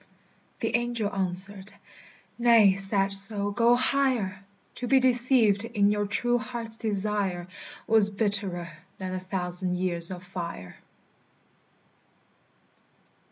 The angel answered, "Nay, sad soul, go higher! To be deceived in your true heart's desire Was bitterer than a thousand years of fire!"